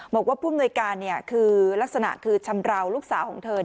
ผู้อำนวยการคือลักษณะคือชำราวลูกสาวของเธอ